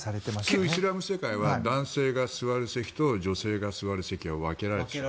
普通、イスラム世界は男性が座る席と女性が座る席は分けられている。